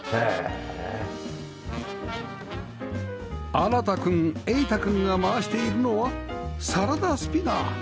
新太くん瑛太くんが回しているのはサラダスピナー